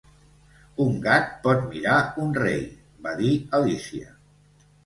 "Un gat pot mirar un rei," va dir Alícia.